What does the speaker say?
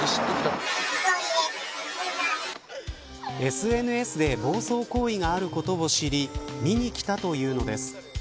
ＳＮＳで暴走行為があることを知り見に来たというのです。